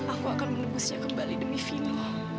aku akan menemusnya kembali demi fino